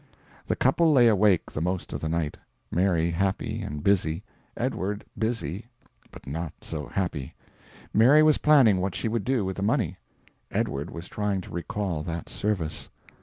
The couple lay awake the most of the night, Mary happy and busy, Edward busy, but not so happy. Mary was planning what she would do with the money. Edward was trying to recall that service.